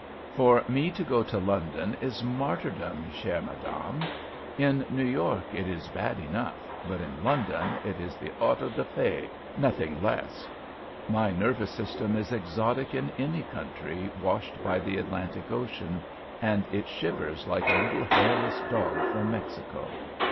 For me to go to London is martyrdom, chère Madame. In New York it is bad enough, but in London it is the auto da fé, nothing less. My nervous system is exotic in any country washed by the Atlantic ocean, and it shivers like a little hairless dog from Mexico.